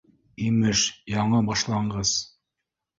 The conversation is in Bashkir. Имеш, яңы башланғыс